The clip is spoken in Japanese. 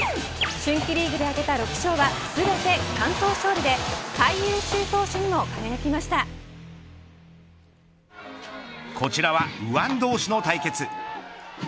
春季リーグで挙げた６勝は全て完投勝利でこちらは右腕同士の対決。